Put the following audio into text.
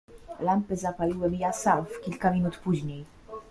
"Lampę zapaliłem ja sam w kilka minut później."